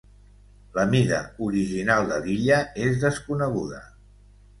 La mida original de l'illa és desconeguda.